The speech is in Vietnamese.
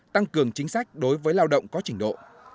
tăng cường chính sách đối với lao động có trình độ